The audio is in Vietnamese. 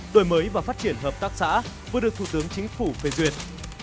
đổi mới và phát triển hợp tác xã vừa được thủ tướng chính phủ phê duyệt